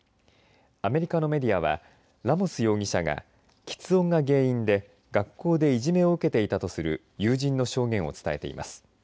アメリカのメディアはラモス容疑者が、きつ音が原因で学校でいじめを受けていたとする友人の証言を伝えています。